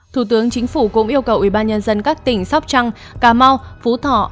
thủ tướng chính phủ cũng yêu cầu ủy ban nhân dân các tỉnh sóc trăng cà mau phú thọ